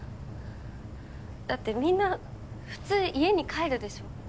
だってみんな普通家に帰るでしょ？